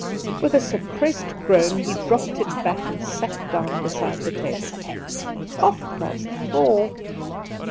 With a suppressed groan he dropped it back and sat down beside the table. Half past four!